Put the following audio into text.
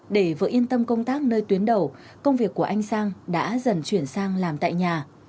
để vợ yên tâm công tác nơi tuyến đầu công việc của anh sang đã dần chuyển sang làm tại nhà